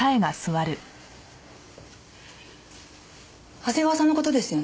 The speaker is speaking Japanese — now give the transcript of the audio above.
長谷川さんの事ですよね？